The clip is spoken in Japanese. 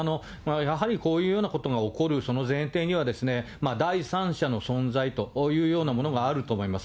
やはりこういうようなことが起こるその前提には、第三者の存在というようなものがあると思います。